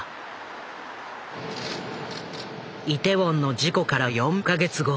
イテウォンの事故から４か月後。